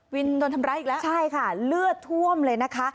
โดนทำร้ายอีกแล้วใช่ค่ะเลือดท่วมเลยนะคะ